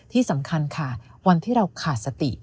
ที่สำคัญค่ะวันที่เราขาดสติ